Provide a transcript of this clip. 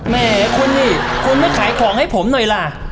แม่คนยิบควรมาขายของให้ผมหน่อยละ